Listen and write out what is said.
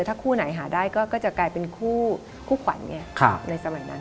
ถ้าคู่ไหนหาได้ก็จะกลายเป็นคู่ขวัญไงในสมัยนั้น